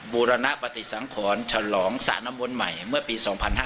บูรณปฏิสังขรฉลองสานมวลใหม่เมื่อปี๒๕๕๕